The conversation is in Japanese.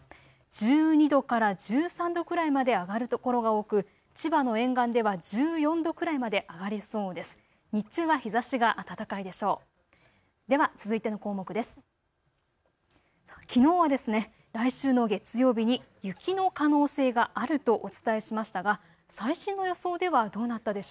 １２度から１３度くらいまで上がる所が多く、千葉の沿岸では１４度くらいまで上がりそうです。